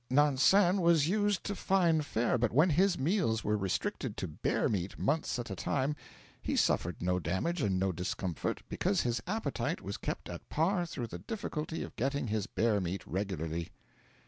Nansen was used to fine fare, but when his meals were restricted to bear meat months at a time he suffered no damage and no discomfort, because his appetite was kept at par through the difficulty of getting his bear meat regularly.'